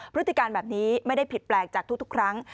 พฤติกรรมแบบนี้ไม่ได้ผิดแปลกจากทุกครั้ง